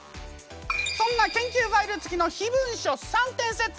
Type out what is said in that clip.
そんな研究ファイルつきの秘文書３点セット！